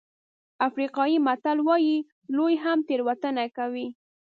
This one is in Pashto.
افریقایي متل وایي لوی هم تېروتنه کوي.